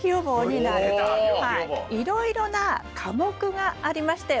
いろいろな科目がありましたよね。